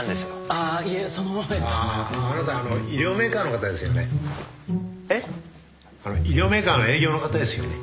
あの医療メーカーの営業の方ですよね？